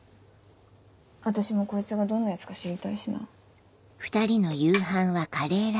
私もこいつがどんなヤツか知りたいしな。